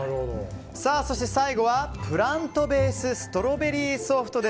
そして、最後はプラントベースストロベリーソフト。